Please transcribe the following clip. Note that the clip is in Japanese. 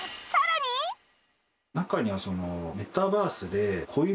中には。